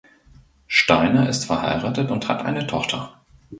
Steiner ist verheiratet und hat eine Tochter.